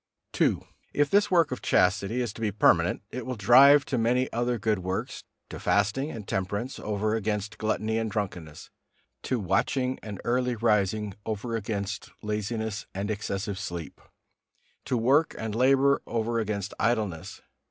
II. If this work of chastity is to be permanent, it will drive to many other good works, to fasting and temperance over against gluttony and drunkenness, to watching and early rising over against laziness and excessive sleep, to work and labor over against idleness.